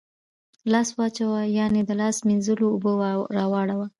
لاس واچوه ، یعنی د لاس مینځلو اوبه راوړه